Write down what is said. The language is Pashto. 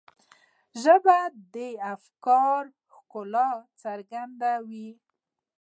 ژبه د افکارو ښکلا څرګندوي